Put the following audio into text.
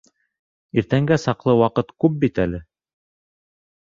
Иртәнгә саҡлы ваҡыт күп бит әле.